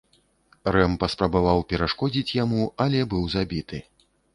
Рэм паспрабаваў перашкодзіць яму, але быў забіты.